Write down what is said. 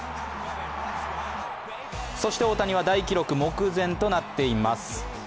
そして大谷は大記録目前となっています。